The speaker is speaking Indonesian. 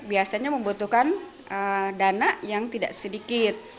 biasanya membutuhkan dana yang tidak sedikit